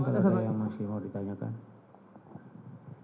mungkin ada yang masih mau ditanyakan